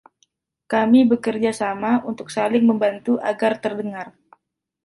Kami bekerja sama untuk saling membantu agar terdengar.